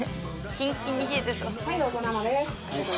キンキンに冷えてそう。